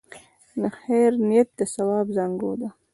د خیر نیت د ثواب زانګو ده.